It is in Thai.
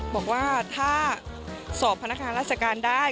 บอกว่าถ้าสอบพนักงานราชการได้